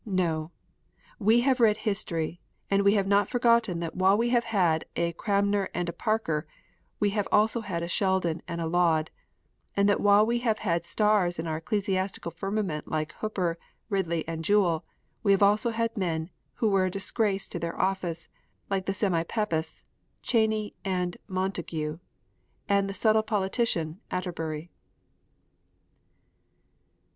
No ! we have read history, and we have not forgotten that while we have had a Cranmer and a Parker, we have also had a Sheldon and a Laud ; and that while we have had stars in our ecclesiastical firmament like Hooper, Kidley, and Jewell, we have also had men who were a disgrace to their office, like the semi papists, Cheyney and Montague, and the subtle politician, Atterbury.